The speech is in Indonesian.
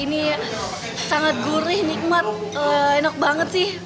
ini sangat gurih nikmat enak banget sih